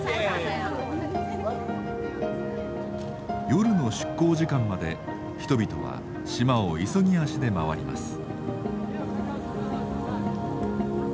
夜の出航時間まで人々は島を急ぎ足で回ります。